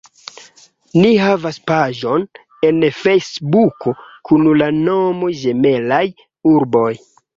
Ni havas paĝon en Fejsbuko kun la nomo Ĝemelaj Urboj.